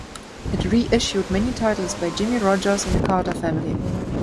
It reissued many titles by Jimmie Rodgers and the Carter Family.